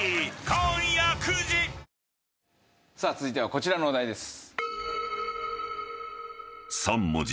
さあ続いてはこちらのお題です。